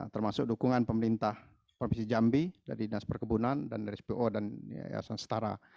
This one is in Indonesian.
termasuk dukungan pemerintah provinsi jambi dari dinas perkebunan dan dari spo dan yayasan setara